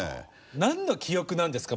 何の記憶なんですか？